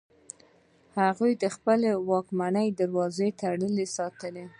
هغوی د خپل واک دروازه تړلې ساتله.